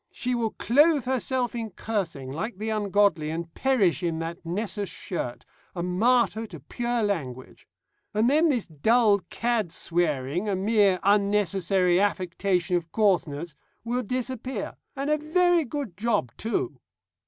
She will clothe herself in cursing, like the ungodly, and perish in that Nessus shirt, a martyr to pure language. And then this dull cad swearing a mere unnecessary affectation of coarseness will disappear. And a very good job too.